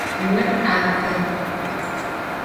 Mır 'ape.